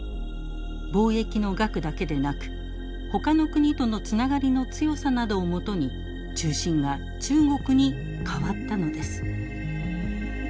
貿易の額だけでなくほかの国とのつながりの強さなどをもとに中心が中国に替わったのです。